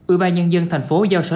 ủy ban nhân dân thành phố giao sở